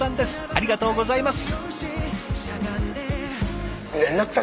ありがとうございます。